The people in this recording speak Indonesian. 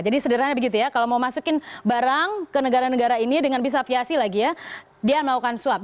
jadi sederhana begitu ya kalau mau masukin barang ke negara negara ini dengan bisa aviasi lagi ya dia melakukan suap